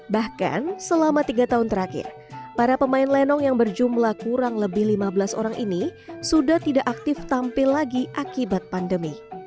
bahkan selama tiga tahun terakhir para pemain lenong yang berjumlah kurang lebih lima belas orang ini sudah tidak aktif tampil lagi akibat pandemi